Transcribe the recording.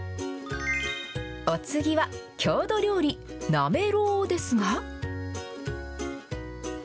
お次は、郷土料理、なめろうですが。